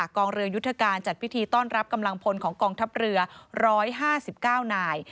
กองเรือยุทธการจัดพิธีต้อนรับกำลังพลของกองทัพเรือ๑๕๙นาย